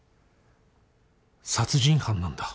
殺人犯なんだ。